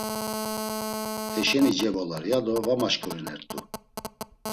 Heşeni cevolar, ya do var maşǩurinert̆u.